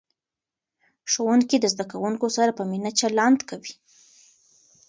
ښوونکي د زده کوونکو سره په مینه چلند کوي.